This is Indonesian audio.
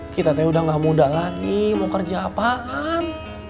kita tadi udah gak muda lagi mau kerja apaan